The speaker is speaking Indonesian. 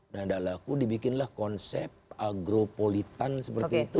ndak laku dibikinlah konsep agropolitan seperti itu